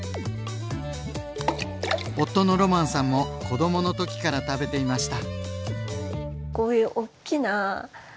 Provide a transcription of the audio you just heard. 夫のロマンさんも子どものときから食べていました。